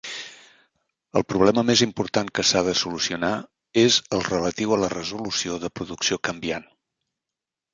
El problema més important que s'ha de solucionar és el relatiu a la resolució de producció canviant.